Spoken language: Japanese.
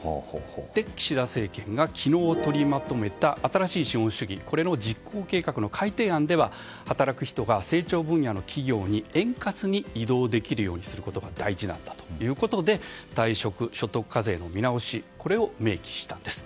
岸田政権が昨日取りまとめた新しい資本主義の実行計画の改定案では働く人が、成長分野の企業に円滑に移動できるようにすることが大事だということで退職所得課税の見直し、これを明記したんです。